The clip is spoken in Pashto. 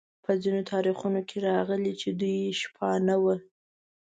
په ځینو تاریخونو کې راغلي چې دوی شپانه وو.